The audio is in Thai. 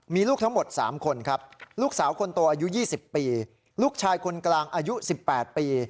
มีลูกทั้งหมด๓คนครับลูกสาวคนโตอายุ๒๐ปีลูกชายคนกลางอายุ๑๘ปี